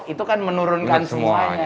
itu kan menurunkan simpanya